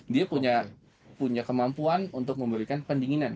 dia punya kemampuan untuk memberikan pendinginan